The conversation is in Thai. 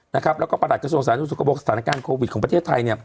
นะครับแล้วก็ประหลักกระทรวงศาสนิทสุขโครบุรกษ์สถานการณ์โควิดของประเทศไทย